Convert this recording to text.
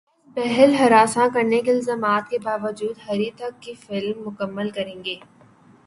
وکاس بہل ہراساں کرنے کے الزامات کے باوجود ہریتھک کی فلم مکمل کریں گے